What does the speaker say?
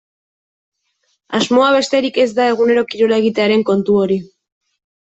Asmoa besterik ez da egunero kirola egitearen kontu hori.